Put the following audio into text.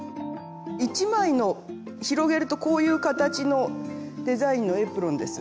１枚の広げるとこういう形のデザインのエプロンです。